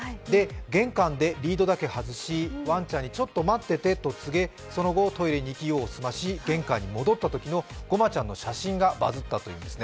玄関でリードだけ外し、ワンちゃんにちょっと待っててと告げ、その後、トイレに行き、用を済まし玄関に戻ったときのごまちゃんの写真がバズったというんです。